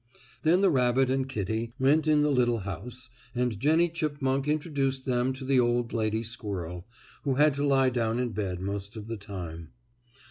Then the rabbit and Kittie went in the little house, and Jennie Chipmunk introduced them to the old lady squirrel, who had to lie down in bed most of the time.